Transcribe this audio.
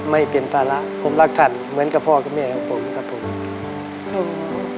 ไม่เป็นภาระผมรักษัตริย์เหมือนกับพ่อกับแม่ของผม